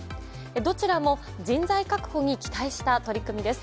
どちらも人材確保に期待した取り組みです。